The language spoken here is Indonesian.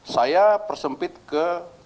saya persempit ke